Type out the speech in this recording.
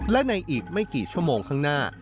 และในอีกไม่กี่ชั่วโมงข้างหน้า